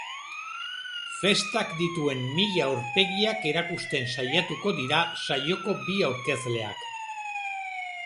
Festak dituen mila aurpegiak erakusten saiatuko dira saioko bi aurkezleak.